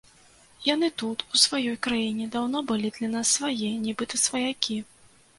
Яны тут, у сваёй краіне, даўно былі для нас свае, нібыта сваякі.